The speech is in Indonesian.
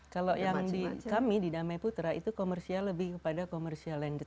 kalau yang di kami di damai putra itu komersial lebih kepada commercial landed